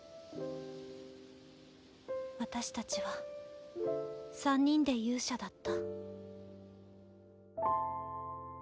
私たちは三人で勇者だった。